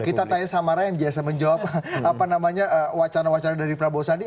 nah kita tanya sama ray yang biasa menjawab apa namanya wacana wacana dari prabowo sandi